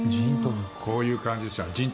こういう感じでした。